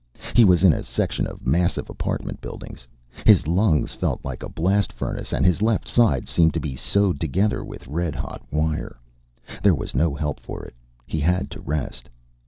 He was in a section of massive apartment buildings. His lungs felt like a blast furnace and his left side seemed to be sewed together with red hot wire. There was no help for it, he had to rest.